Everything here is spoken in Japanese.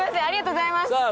ありがとうございます。